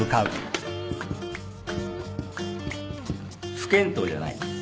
不検討じゃない。